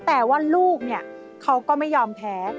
แต่ว่าลูกเนี่ยเขาก็ไม่ยอมแพ้